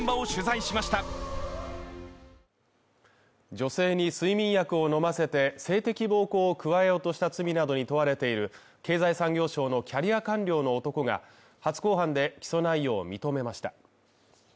女性に睡眠薬を飲ませて性的暴行を加えようとした罪などに問われている経済産業省のキャリア官僚の男が初公判で起訴内容を認めました。